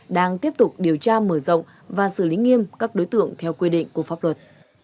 đang tiếp tục điều tra mở rộng và xử lý nghiêm các đối tượng theo quy định của pháp luật